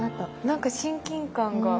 何か親近感が。